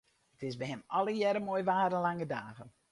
It is by him allegearre moai waar en lange dagen.